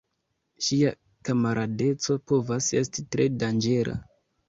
Ŝia kamaradeco povas esti tre danĝera.